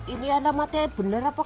ini anda mati bener apa